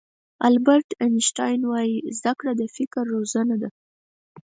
البرټ آینشټاین وایي زده کړه د فکر روزنه ده.